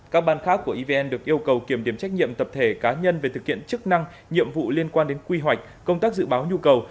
các ban khác của evn được yêu cầu kiểm điểm trách nhiệm tập thể cá nhân về thực hiện chức năng nhiệm vụ liên quan đến quy hoạch công tác dự báo nhu cầu